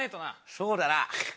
そうだな。